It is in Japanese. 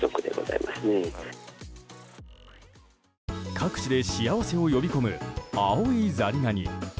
各地で幸せを呼び込む青いザリガニ。